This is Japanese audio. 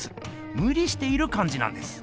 むりしているかんじなんです。